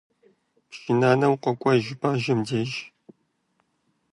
Пщы Нэнау къокӀуэж Бажэм деж.